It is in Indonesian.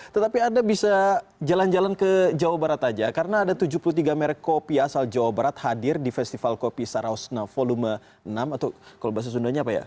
tetapi anda bisa jalan jalan ke jawa barat aja karena ada tujuh puluh tiga merek kopi asal jawa barat hadir di festival kopi sarausna volume enam atau kalau bahasa sundanya apa ya